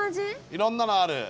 いろんなのある。